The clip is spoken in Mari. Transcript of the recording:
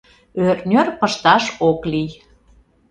Ӧртньӧр пышташ ок лий.